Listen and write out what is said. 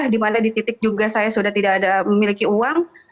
dimana di titik juga saya sudah tidak ada memiliki uang